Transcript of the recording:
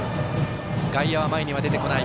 外野は前には出てこない。